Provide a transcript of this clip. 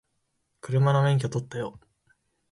車の免許取ったよ